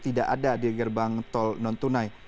tidak ada di gerbang tol non tunai